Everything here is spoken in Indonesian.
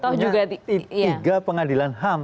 punya tiga pengadilan ham